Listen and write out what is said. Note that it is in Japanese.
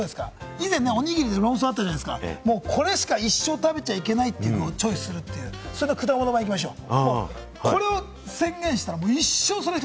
以前、おにぎりで論争あったじゃないですか、これしか一生食べちゃいけないのをチョイスするって、その果物版、行きましょう。